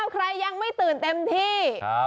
ใครยังไม่ตื่นเต็มที่